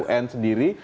di pt un sendiri